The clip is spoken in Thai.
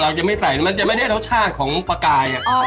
จะไม่ใส่มันจะไม่ได้รสชาติของปลากาย